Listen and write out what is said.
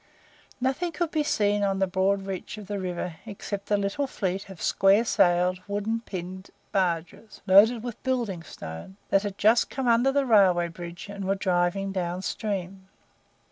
Nothing could be seen on the broad reach of the river except a little fleet of square sailed, wooden pinned barges, loaded with building stone, that had just come under the railway bridge, and were driving down stream.